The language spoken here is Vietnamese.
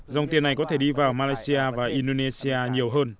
dòng tiền này có thể đi vào malaysia và indonesia nhiều hơn